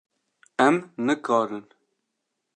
Em nikarin.